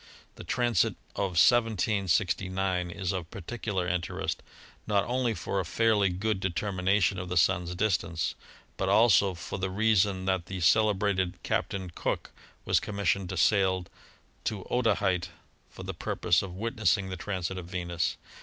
The transit of 1769 is of particular interest, not only for a fairly good determination of the Sun's distance, but also for the reason that the celebrated Captain Cook was commissioned to sail to Otaheite for the purpose of wit nessing the transit of Venus.